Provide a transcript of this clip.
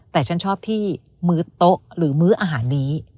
แต่ฉันชอบที่มื้อโต๊ะหรือมื้ออาหารนี้